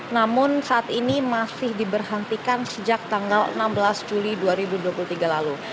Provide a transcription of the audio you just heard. namun saat ini masih diberhentikan sejak tanggal enam belas juli dua ribu dua puluh tiga lalu